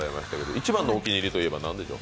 一番のお気に入りといえば何でしょう？